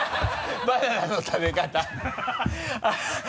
バナナの食べ方